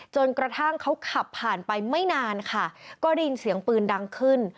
จนกระทั่งเขาขับผ่านไปไม่นานค่ะก็ได้ยินเสียงปืนดังขึ้น